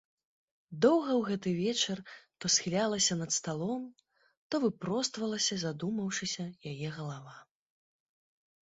Доўга ў гэты вечар то схілялася над сталом, то выпроствалася, задумаўшыся, яе галава.